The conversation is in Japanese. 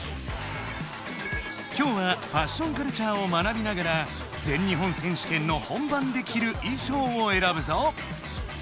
今日はファッションカルチャーを学びながら全日本選手権の本番で着る衣装をえらぶぞ！